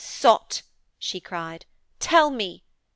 'Sot!' she cried. 'Tell me!